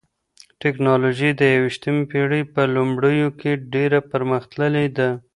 ټکنالوژي د یوویشتمې پېړۍ په لومړیو کې ډېره پرمختللې ده.